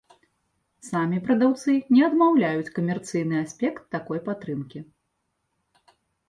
Самі прадаўцы не адмаўляюць камерцыйны аспект такой падтрымкі.